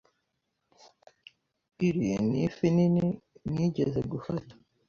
Iri ni ifi nini nigeze gufata.